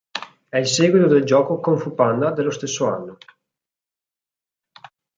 È il seguito del gioco "Kung Fu Panda" dello stesso anno.